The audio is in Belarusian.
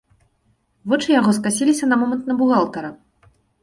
Вочы яго скасіліся на момант на бухгалтара.